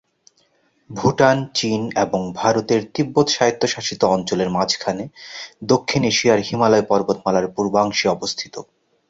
ভুটান চীন এবং ভারতের তিব্বত স্বায়ত্তশাসিত অঞ্চলের মাঝখানে দক্ষিণ এশিয়ায় হিমালয় পর্বতমালার পূর্বাংশে অবস্থিত।